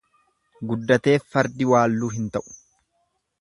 Guddateef fardi waalluu hin ta'u.